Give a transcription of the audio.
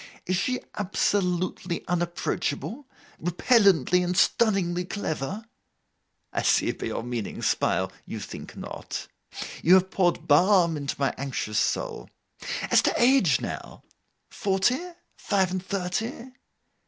Is she absolutely unapproachable? Repellently and stunningly clever? I see, by your meaning smile, you think not. You have poured balm into my anxious soul. As to age, now. Forty? Five and thirty?